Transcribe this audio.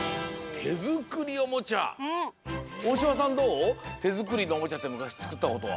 てづくりのおもちゃってむかしつくったことは？